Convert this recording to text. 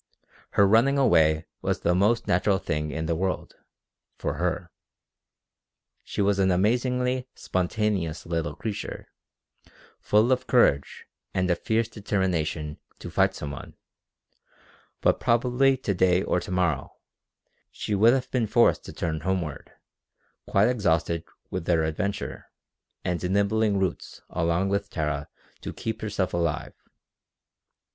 Her running away was the most natural thing in the world for her. She was an amazingly spontaneous little creature, full of courage and a fierce determination to fight some one, but probably to day or to morrow she would have been forced to turn homeward, quite exhausted with her adventure, and nibbling roots along with Tara to keep herself alive.